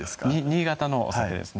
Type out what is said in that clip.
新潟のお酒ですね